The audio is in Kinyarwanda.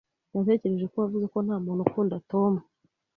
Natekereje ko wavuze ko ntamuntu ukunda Tom.